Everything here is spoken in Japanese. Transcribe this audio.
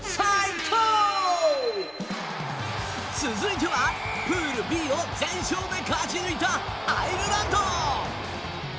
続いては、プールＢを全勝で勝ち抜いたアイルランド。